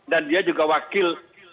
dan dia juga wakil